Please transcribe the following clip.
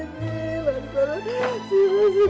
rata rata mak jadi begini